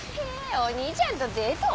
お兄ちゃんとデート？